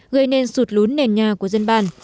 gây nên sụt lún nền nhà của dân bản